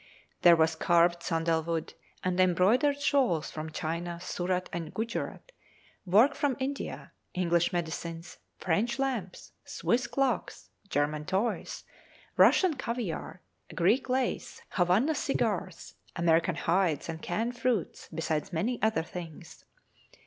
There was carved sandal wood, and embroidered shawls from China, Surat, and Gujerat, work from India, English medicines, French lamps, Swiss clocks, German toys, Russian caviare, Greek lace, Havannah cigars, American hides and canned fruits, besides many other things.